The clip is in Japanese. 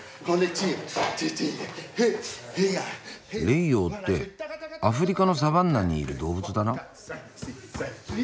レイヨウってアフリカのサバンナにいる動物だな。